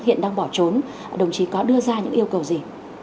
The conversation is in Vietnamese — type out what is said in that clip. hiện đang bỏ trốn đồng chí có đưa ra những yêu cầu gì